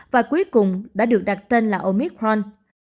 và cuối cùng đã được đặt tên là omicron